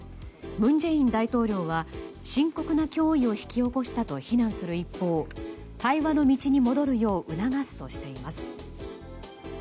文在寅大統領は深刻な脅威を引き起こしたと非難する一方対話の道に戻るよう促すとしています。